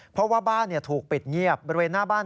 เพราะว่าบ้านถูกปิดเงียบบริเวณหน้าบ้าน